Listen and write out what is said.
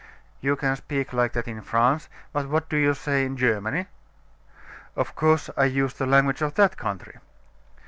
"You can speak like that in France; but what do you say in Germany?" "Of course, I use the language of that country."